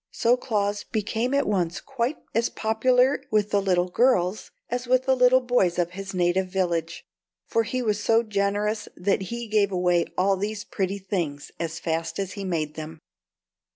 So Claus became at once quite as popular with the little girls as with the little boys of his native village; for he was so generous that he gave away all these pretty things as fast as he made them.